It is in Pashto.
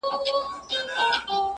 کليوال هلکان د پیښي په اړه خبري سره کوي